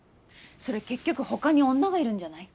それ結局他に女がいるんじゃない？